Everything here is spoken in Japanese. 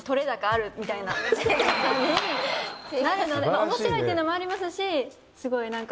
おもしろいっていうのもありますしすごいなんか。